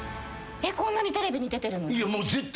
こんなにテレビに出てるのに？